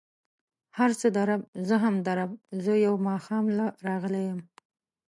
هر څه د رب، زه هم د رب، زه يو ماښام له راغلی يم.